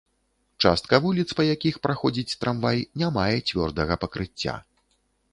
Частка вуліц, па якіх праходзіць трамвай, не мае цвёрдага пакрыцця.